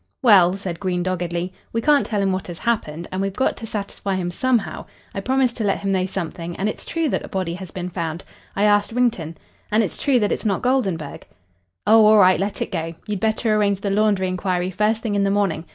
"Well," said Green doggedly, "we can't tell him what has happened, and we've got to satisfy him somehow. I promised to let him know something, and it's true that a body has been found. I asked Wrington. And it's true that it's not Goldenburg." "Oh, all right, let it go. You'd better arrange the laundry inquiry first thing in the morning.